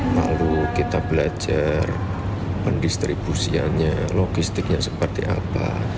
lalu kita belajar pendistribusiannya logistiknya seperti apa